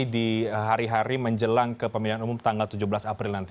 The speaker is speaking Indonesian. di hari hari menjelang ke pemilihan umum tanggal tujuh belas april nanti